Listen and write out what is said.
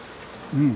うん。